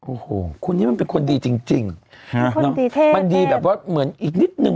โอ้โหคนนี้มันเป็นคนดีจริงจริงฮะมันดีแบบว่าเหมือนอีกนิดนึง